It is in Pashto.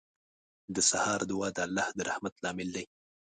• د سهار دعا د الله د رحمت لامل دی.